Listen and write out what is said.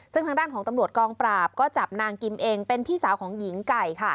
ซึ่งทางด้านของตำรวจกองปราบก็จับนางกิมเองเป็นพี่สาวของหญิงไก่